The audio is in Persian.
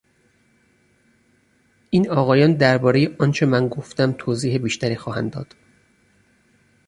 این آقایان دربارهی آنچه من گفتم توضیح بیشتری خواهند داد.